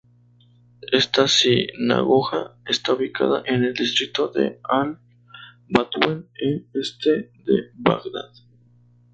Esta sinagoga está ubicada en el distrito de Al-Bataween en el este de Bagdad.